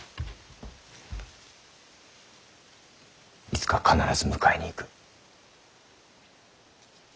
いつか必ず迎えに行く。